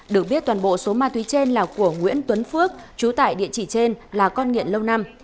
được biết toàn bộ số ma túy trên là của nguyễn tuấn phước trú tại địa chỉ trên là con nghiện lâu năm